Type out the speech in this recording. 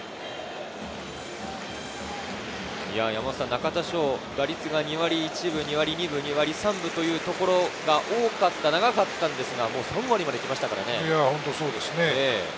中田翔、打率が２割１分、２割３分というところが多かった、長かったのですが３割まで来ましたね。